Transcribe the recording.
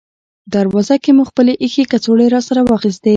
دروازه کې مو خپلې اېښې کڅوړې راسره واخیستې.